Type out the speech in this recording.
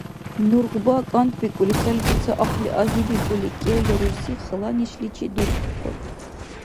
Нургъба кӀантӀбикӀули, цаличиб ца ахъли агьибикӀули, кӀелра рурси хала нешличи дуцӀбухъун.